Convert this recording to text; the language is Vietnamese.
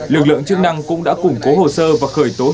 lực lượng chức năng cũng đã củng cố hồ sơ và khởi tố